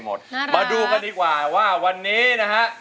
มาดูกันดีกว่าว่าวันนี้นะฮะ